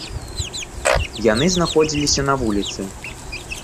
Яны знаходзіліся на вуліцы.